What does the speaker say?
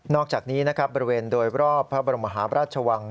อกจากนี้นะครับบริเวณโดยรอบพระบรมหาพระราชวัง